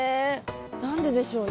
何ででしょうね？